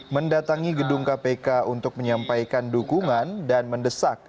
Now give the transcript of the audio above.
mendatangi gedung kpk untuk menyampaikan dukungan dan mendesak